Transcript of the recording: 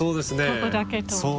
ここだけと思う。